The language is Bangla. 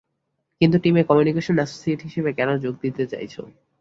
কিন্তু টিমে কমিউনিকেশন অ্যাসোসিয়েট হিসাবে কেন যোগ দিতে চাইছো?